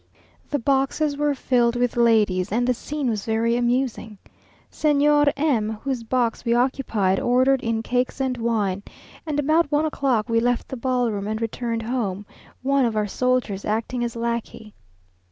The boxes were filled with ladies, and the scene was very amusing. Señor M , whose box we occupied, ordered in cakes and wine, and about one o'clock we left the ball room and returned home, one of our soldiers acting as lackey....